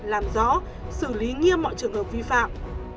làm rõ xử lý nghiêm mọi trường hợp vi phạm